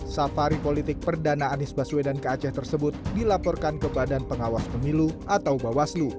safari politik perdana anies baswedan ke aceh tersebut dilaporkan ke badan pengawas pemilu atau bawaslu